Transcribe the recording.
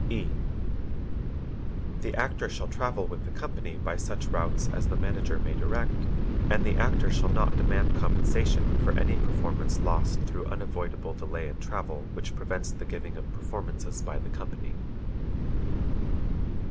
E. The Actor shall travel with the company by such routes as the Manager may direct, and the Actor shall not demand compensation for any performance lost through unavoidable delay in travel which prevents the giving of performances by the company.